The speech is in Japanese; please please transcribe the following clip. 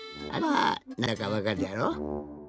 あれはなんだかわかるじゃろ？